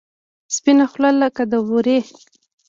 سپینه خوله لکه د ورې.